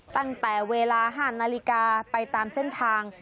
ตั้งแต่เวลา๕นาฬิกาไปตามเส้นทาง